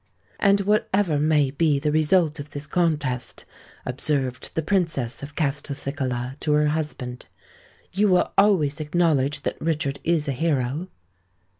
"And, whatever may be the result of this contest," observed the Princess of Castelcicala to her husband, "you will always acknowledge that Richard is a hero?"